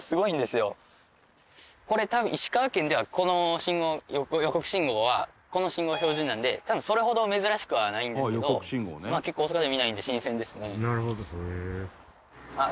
これ多分石川県ではこの信号予告信号はこの信号標準なんで多分それほど珍しくはないんですけどまあ結構大阪では見ないんで新鮮ですね。